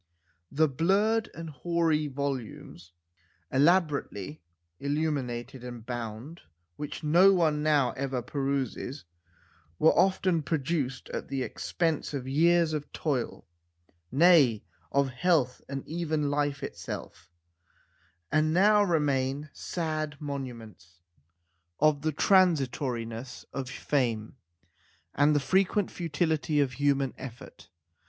The blurred and hoary volumes, elaborately illuminated and bound, which no one now ever peruses, were often produced at the expense of years of toil nay, of health and even life itself and now remain sad monuments of the transitoriness of fame and the frequent futility of human effort.